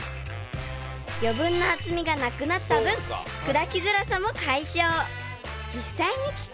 ［余分な厚みがなくなった分砕きづらさも解消］